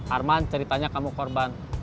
arman ceritanya kamu korban